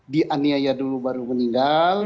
di aniaya dulu baru meninggal